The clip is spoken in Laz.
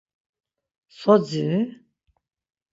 So dziri?